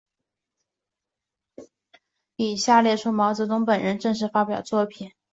以下列出毛泽东本人正式发表作品。